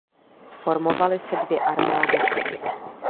Zformovaly se dvě armády.